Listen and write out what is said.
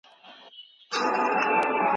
ټولنیز واقیعت د خلکو د ګډ فکر استازیتوب کوي.